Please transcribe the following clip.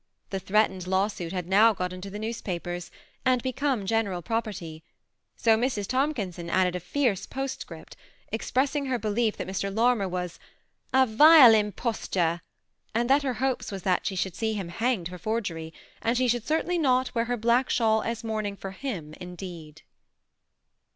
The threatened lawsuit had now got into i newspapers, and become general propertY; so Mrs. imkinson added a fierce postscript, expressing her lief that Mr. Lorimer was "a vile imposture," and r hopes that she should live to see him hanged for ^ery, and she should certainly not wear her black awl as mourning for kim indeed.